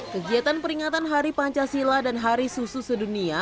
kegiatan peringatan hari pancasila dan hari susu sedunia